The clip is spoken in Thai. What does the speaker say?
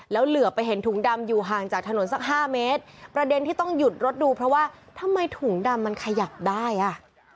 แล้วเหลือไปเห็นถุงดำอยู่ห่างจากถนนสักห้าเมตรประเด็นที่ต้องหยุดรถดูเพราะว่าทำไมถุงดำมันขยับได้อ่ะ